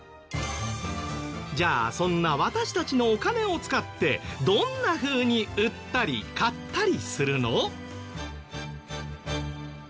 じゃあそんな私たちのお金を使ってどんなふうに売ったり買ったりするの？ではこの為替介入って